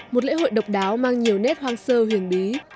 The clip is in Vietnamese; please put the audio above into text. một lễ hội độc đáo mang nhiều nét hoang sơ huyền bí